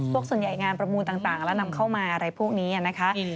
ส่วนใหญ่งานประมูลต่างแล้วนำเข้ามาอะไรพวกนี้นะคะ